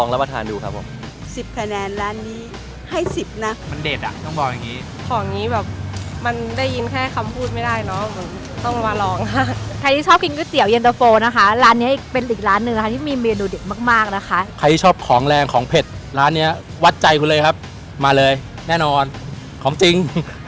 ร้านเนี้ยวัดใจคุณเลยครับมาเลยแน่นอนของจริง